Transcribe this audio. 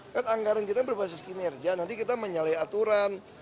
kan anggaran kita berbasis kinerja nanti kita menyalahi aturan